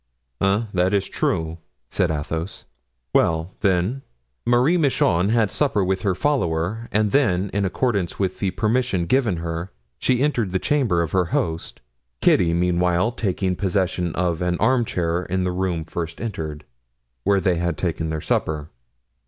"Ah, that is true," said Athos. "Well, then, Marie Michon had supper with her follower, and then, in accordance with the permission given her, she entered the chamber of her host, Kitty meanwhile taking possession of an armchair in the room first entered, where they had taken their supper."